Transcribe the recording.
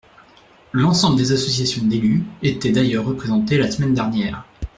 L’ensemble des associations d’élus étaient d’ailleurs représentées la semaine dernière.